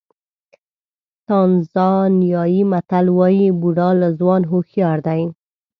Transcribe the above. تانزانیايي متل وایي بوډا له ځوان هوښیار دی.